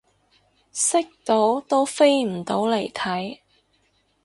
識到都飛唔到嚟睇